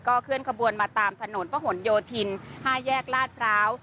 เคลื่อนขบวนมาตามถนนพระหลโยธิน๕แยกลาดพร้าว